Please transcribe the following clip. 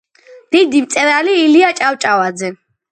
დიდი მწერალი ილია ჭავჭავაძე.